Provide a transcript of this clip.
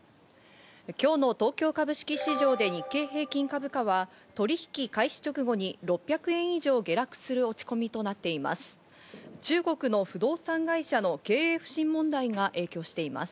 今日の東京株式市場で日経平均株価は取引開始直後に６００円以上下落する落ち込みとなっています。